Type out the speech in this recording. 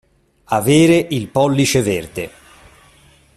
Avere il pollice verde.